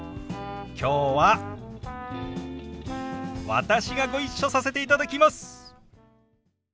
きょうは私がご一緒させていただきます。